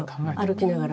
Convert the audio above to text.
歩きながら。